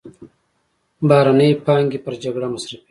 بهرنۍ پانګې پر جګړه مصرفېږي.